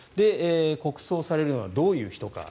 国葬されるのはどういう人か。